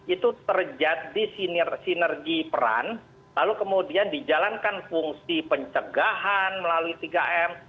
itu terjadi sinergi peran lalu kemudian dijalankan fungsi pencegahan melalui tiga m